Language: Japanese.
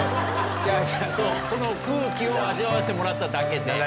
違う違うその空気を味わわせてもらっただけで。